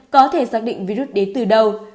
có thể xác định virus đến từ đâu